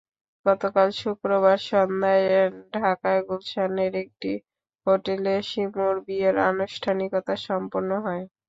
গতকাল শুক্রবার সন্ধ্যায় ঢাকার গুলশানের একটি হোটেলে শিমুর বিয়ের আনুষ্ঠানিকতা সম্পন্ন হয়।